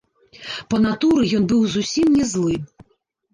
Па натуры ён быў зусім не злы.